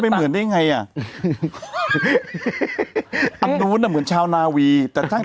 เหมือนกันเลยหัวเหย่อเหมือนกันเลย